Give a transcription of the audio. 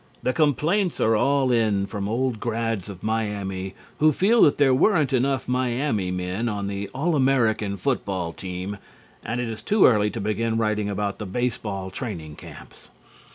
The complaints are all in from old grads of Miami who feel that there weren't enough Miami men on the All American football team, and it is too early to begin writing about the baseball training camps.